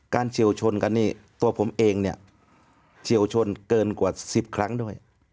เฉียวชนกันนี่ตัวผมเองเนี่ยเฉียวชนเกินกว่า๑๐ครั้งด้วย